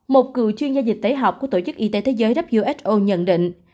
một cựu chuyên gia dịch tế học của tổ chức y tế thế giới who nhận định